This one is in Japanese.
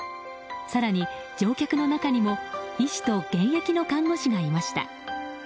更に乗客の中にも医師と現役の看護師がいました。